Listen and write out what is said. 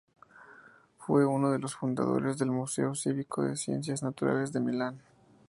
Fue uno de los fundadores del Museo cívico de Ciencias Naturales de Milán.